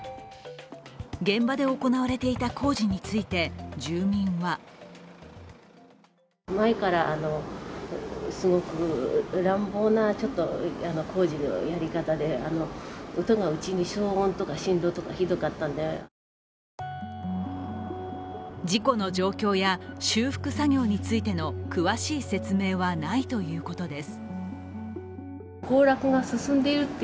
現場で行われていた工事について、住民は事故の状況や修復作業についての詳しい説明はないということです。